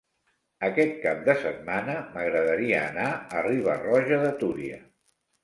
Aquest cap de setmana m'agradaria anar a Riba-roja de Túria.